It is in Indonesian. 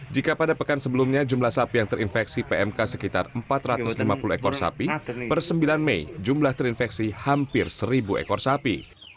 jika pada pekan sebelumnya jumlah sapi yang terinfeksi pmk sekitar empat ratus lima puluh ekor sapi per sembilan mei jumlah terinfeksi hampir seribu ekor sapi